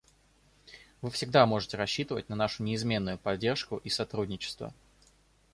Вы всегда можете рассчитывать на нашу неизменную поддержку и сотрудничество.